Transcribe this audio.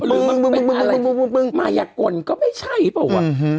หรือมันเป็นอะไรมายักกลก็ไม่ใช่เปล่าวะ